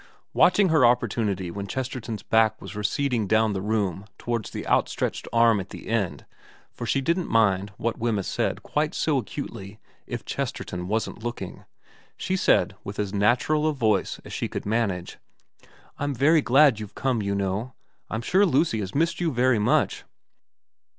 Watching her opportunity when Chesterton's back was receding down the room towards the outstretched arm at the end, for she didn't mind what Wemyss said 346 VERA quite so acutely if Chesterton wasn't looking, she said with as natural a voice as she could manage, ' I'm very glad you've come, you know. I'm sure Lucy has been missing you very much.'